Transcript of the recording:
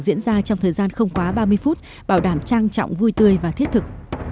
diễn ra trong thời gian không quá ba mươi phút bảo đảm trang trọng vui tươi và thiết thực